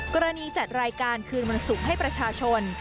กรณีจัดรายการคืนบรรสุทธิ์ให้ประชาชน